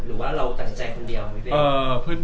หรือว่าเราต่างใจคนเดียวไหม